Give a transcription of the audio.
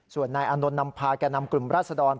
ส่วนนายอานนท์นำพากันนำกลุ่มรัฐธรรม